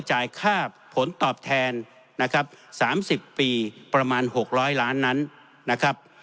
จ่ายค่าผลตอบแทนนะครับ๓๐ปีประมาณ๖๐๐ล้านนั้นนะครับ